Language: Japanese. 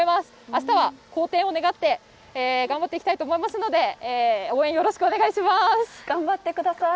あしたは好天を願って頑張っていきたいと思いますので、応援よろ頑張ってください。